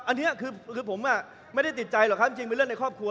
อันนี้คือผมไม่ได้ติดใจหรอกครับจริงเป็นเรื่องในครอบครัว